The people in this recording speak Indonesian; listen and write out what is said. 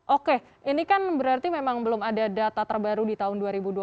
oke ini kan berarti memang belum ada data terbaru di tahun dua ribu dua puluh